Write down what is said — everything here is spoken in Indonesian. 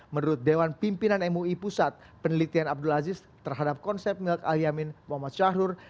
menurut dewan pimpinan mui pusat penelitian abdul aziz terhadap konsep milk al yamin muhammad syahrul